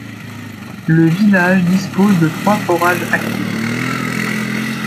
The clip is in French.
Le village dispose de trois forages actifs.